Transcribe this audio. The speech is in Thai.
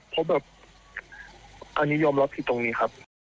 เพราะแบบอันนี้ยอมรับผิดตรงนี้ครับ